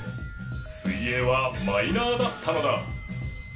水泳はマイナーだったのだ。